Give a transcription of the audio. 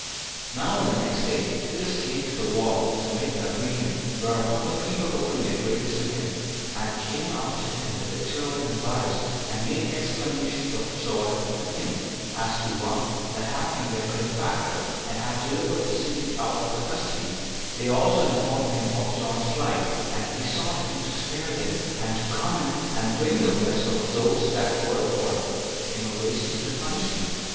5. Now on the next day Titus came to the wall, to make the agreement; whereupon the people opened their gates to him, and came out to him, with their children and wives, and made acclamations of joy to him, as to one that had been their benefactor, and had delivered the city out of custody; they also informed him of John's flight, and besought him to spare them, and to come in, and bring the rest of those that were for innovations to punishment.